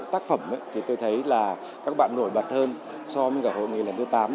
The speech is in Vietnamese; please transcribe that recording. tác phẩm thì tôi thấy là các bạn nổi bật hơn so với cả hội nghị lần thứ tám